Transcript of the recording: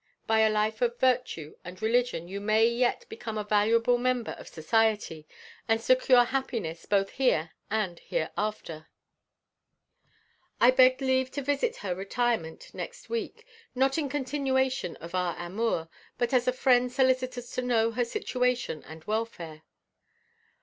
By a life of virtue and religion, you may yet become a valuable member of society, and secure happiness both here and hereafter." I begged leave to visit her retirement next week, not in continuation of our amour, but as a friend solicitous to know her situation and welfare.